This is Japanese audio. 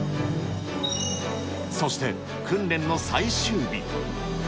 そして訓練の最終日。